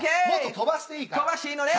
飛ばしていいのね。